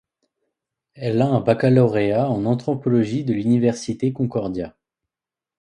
Elle a un baccalauréat en anthropologie de l'université Concordia.